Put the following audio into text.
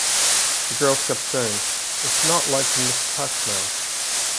The girls kept saying, "It's not like Ms. Pac-Man".